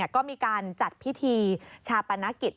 ก็มีการจัดพิธีชาปนกิจ